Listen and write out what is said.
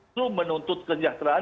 itu menuntut kesejahteraan